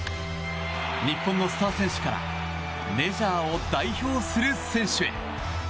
日本のスター選手からメジャーを代表する選手へ。